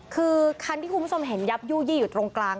คือคันที่คุณผู้ชมเห็นยับยู่ยี่อยู่ตรงกลาง